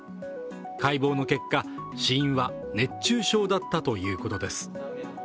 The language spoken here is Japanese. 解剖の結果、死因は熱中症だったということです。